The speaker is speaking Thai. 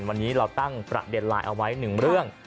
วันนี้เราตั้งประเด็นไลน์เอาไว้๑เรื่อง